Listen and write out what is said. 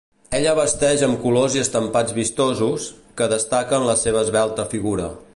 Ella vesteix amb colors i estampats vistosos, que destaquen la seva esvelta figura.